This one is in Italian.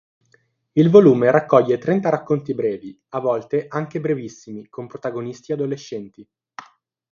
Il volume raccoglie trenta racconti brevi, a volte anche brevissimi con protagonisti adolescenti.